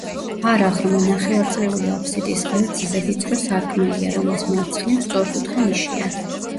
არაღრმა, ნახევარწრიული აფსიდის ღერძზე ვიწრო სარკმელია, რომლის მარცხნივ სწორკუთხა ნიშია.